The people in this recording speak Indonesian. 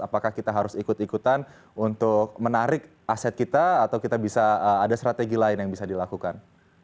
apakah kita harus ikut ikutan untuk menarik aset kita atau kita bisa ada strategi lain yang bisa dilakukan